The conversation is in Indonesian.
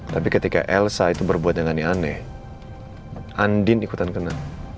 tapi ketika yelusa itu berbuatnya gani gani aneh andin ikutan kena